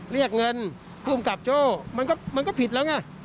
เรียกเงินภูมิกับโจ้มันก็ผิดแล้วไง